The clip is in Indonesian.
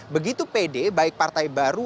begitu pede baik partai baru